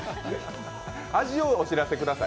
味をお知らせください。